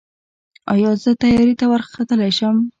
ایا زه طیارې ته وختلی شم؟